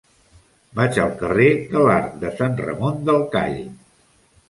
Vaig al carrer de l'Arc de Sant Ramon del Call.